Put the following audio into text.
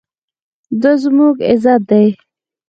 دا زموږ عزت دی